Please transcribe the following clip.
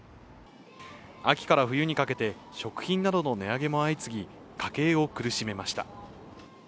秋から冬にかけて、食品などの値上げも相次ぎ家計を苦しめました。